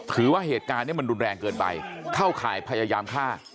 ถือว่าเหตุการณ์นี้มันรุนแรงเกินไปเข้าข่ายพยายามฆ่า